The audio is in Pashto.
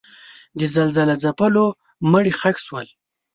د زلزله ځپلو مړي ښخ شول.